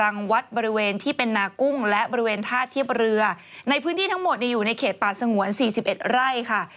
ในพื้นที่ทั้งหมดอยู่ในเขตป่าสงวน๔๑ไร่ค่ะ